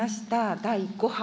第５波。